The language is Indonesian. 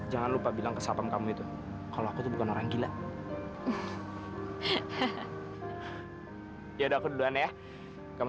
jangan lupa bilang kesapaan kamu itu kalau aku tuh bukan orang gila ya udah aku duluan ya kamu